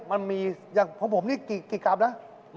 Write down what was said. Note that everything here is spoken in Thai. มันมีอย่างของผมนี่กี่กรัมนะ